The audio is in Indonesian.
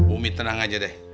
umi tenang aja deh